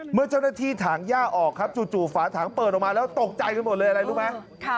เมื่อเจ้าหน้าที่ถางย่าออกครับจู่ฝาถังเปิดออกมาแล้วตกใจกันหมดเลยอะไรรู้ไหม